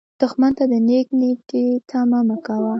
دښمن ته د نېک نیتي تمه مه کوه